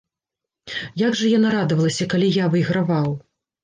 Як жа яна радавалася, калі я выйграваў.